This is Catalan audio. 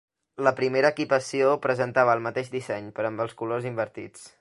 La primera equipació presentava el mateix disseny, però amb els colors invertits.